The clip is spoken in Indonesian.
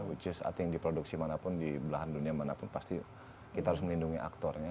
which is i think di produksi mana pun di belahan dunia mana pun pasti kita harus melindungi aktornya